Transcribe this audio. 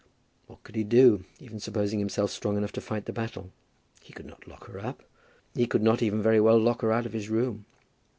What could he do, even supposing himself strong enough to fight the battle? He could not lock her up. He could not even very well lock her out of his room.